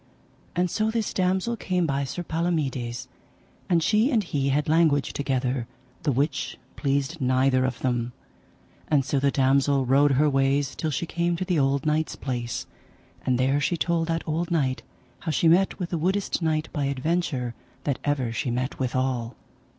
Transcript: And so this damosel came by Sir Palomides, and she and he had language together, the which pleased neither of them; and so the damosel rode her ways till she came to the old knight's place, and there she told that old knight how she met with the woodest knight by adventure that ever she met withal.